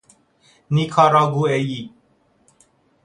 نیکاراگوئه ای